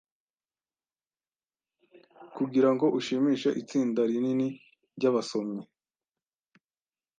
Kugirango ushimishe itsinda rinini ryabasomyi